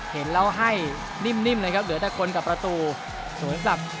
เห็นแล้วให้นิ่มเลยครับเหลือแต่คนกับประตูสวนกลับ